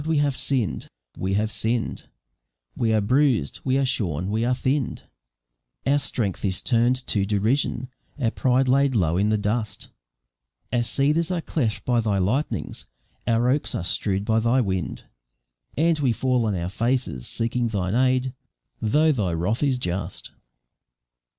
we have sinn'd, we have sinn'd, We are bruis'd, we are shorn, we are thinn'd, Our strength is turn'd to derision, our pride laid low in the dust, Our cedars are cleft by Thy lightnings, our oaks are strew'd by Thy wind, And we fall on our faces seeking Thine aid, though Thy wrath is just."